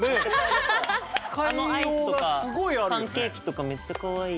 あのアイスとかパンケーキとかめっちゃかわいい。